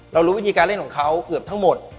รู้วิธีการเล่นของเขาเกือบทั้งหมด